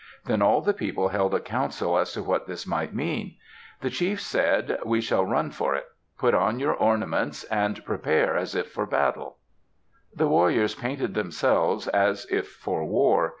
Then all the people held a council as to what this might mean. The chiefs said, "We shall run for it. Put on your ornaments and prepare as if for battle." The warriors painted themselves as if for war.